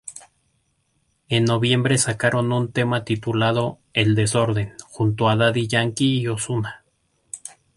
En noviembre sacaron un tema titulado "El desorden" junto a Daddy Yankee y Ozuna.